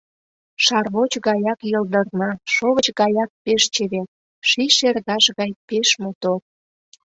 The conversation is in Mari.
Шарвоч гаяк йылдырна, шовыч гаяк пеш чевер, ший шергаш гай пеш мотор.